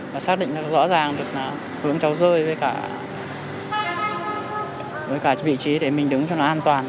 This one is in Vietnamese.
và xác định rõ ràng được hướng cháu rơi với cả vị trí để mình đứng cho nó an toàn